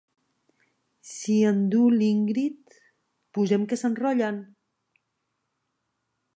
S'hi endú l'Ingrid... posem que s'enrotllen?